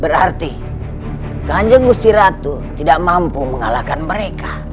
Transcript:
berarti kanjeng musi ratu tidak mampu mengalahkan mereka